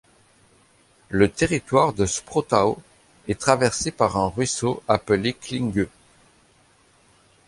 Le territoire de Sprötau est traversé par un ruisseau appelé Klinge.